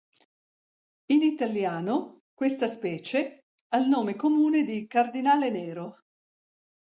In italiano questa specie ha il nome comune di "cardinale nero".